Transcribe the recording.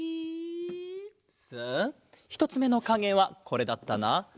さあひとつめのかげはこれだったな。